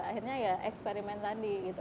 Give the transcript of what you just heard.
akhirnya ya eksperimen tadi gitu